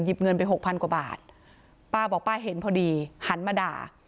เงินไปหกพันกว่าบาทป้าบอกป้าเห็นพอดีหันมาด่า